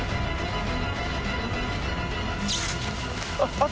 あっ。